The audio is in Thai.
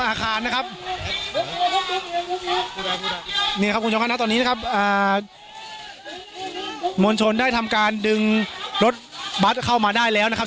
อาคารนะครับมีครับคุณผู้ชมค่ะณตอนนี้นะครับอ่ามวลชนได้ทำการดึงรถบัสเข้ามาได้แล้วนะครับ